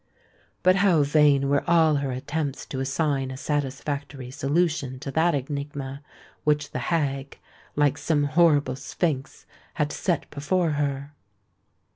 But how vain were all her attempts to assign a satisfactory solution to that enigma which the hag, like some horrible sphynx, had set before her!